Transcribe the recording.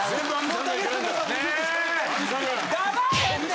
黙れって！